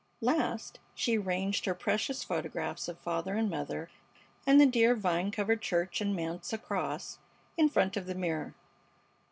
Last she ranged her precious photographs of father and mother and the dear vine covered church and manse across in front of the mirror.